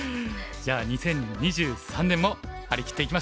じゃあ２０２３年も張り切っていきましょう。